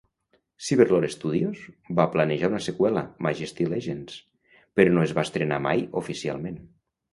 Cyberlore Studios va planejar una seqüela, Majesty Legends, però no es va estrenar mai oficialment.